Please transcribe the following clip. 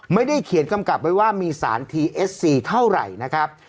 ไม่ได้เขียนกำกับไว้ว่ามีสารทีเอสซีเท่าไหร่นะครับ